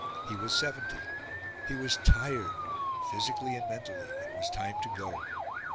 He was seventy; he was tired, physically and mentally; it was time to go.